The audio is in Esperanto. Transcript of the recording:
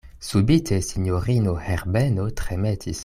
Subite sinjorino Herbeno tremetis.